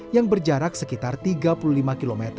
yang berjarak sekitar tiga puluh lima km